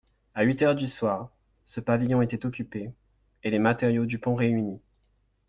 A huit heures du soir, ce pavillon était occupé, et les matériaux du pont réunis.